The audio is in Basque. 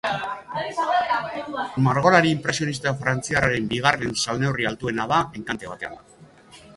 Margolari inpresionista frantziarraren bigarren salneurri altuena da enkante batean.